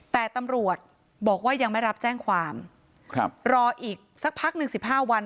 แต่ตำรวจบอกว่ายังไม่รับแจ้งความครับรออีกสักพักหนึ่งสิบห้าวัน